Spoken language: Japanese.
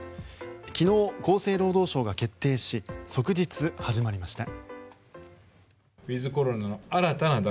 昨日、厚生労働省が決定し即日始まりました。